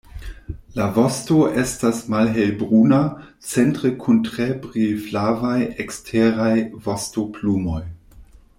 La vosto estas malhelbruna centre kun tre brilflavaj eksteraj vostoplumoj.